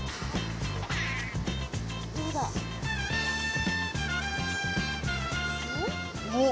どうだ？おっ？